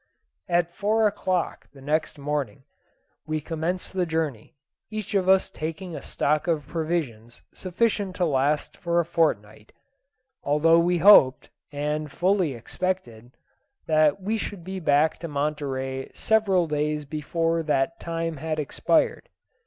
At four o'clock the next morning we commenced the journey, each of us taking a stock of provisions sufficient to last for a fortnight; although we hoped, and fully expected, that we should be back to Monterey several days before that time had expired.